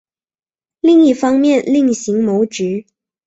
另一方面另行谋职